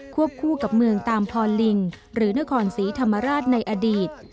วบคู่กับเมืองตามพรลิงหรือนครศรีธรรมราชในอดีต